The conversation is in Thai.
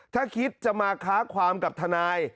ถ้าคิดจะมาค้าความกับทนาย